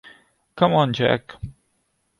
Come on, Jack!